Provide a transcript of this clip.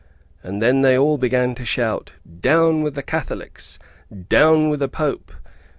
And then they all began to shout, "Down with the Catholics! Down with the Pope!